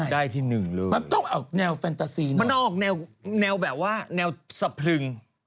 ได้ที่หนึ่งเลยมันต้องออกแนวแฟนตาซีนมันออกแนวแบบว่าแนวสะพรึง